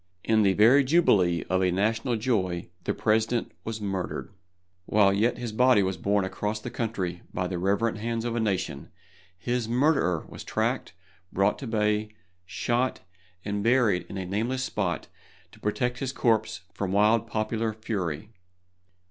In the very jubilee of a national joy the President was murdered. While yet his body was borne across the country by the reverent hands of a nation, his murderer was tracked, brought to bay, shot, and buried in a nameless spot to protect his corpse from wild popular fury.